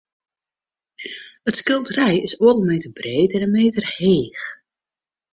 It skilderij is oardel meter breed en in meter heech.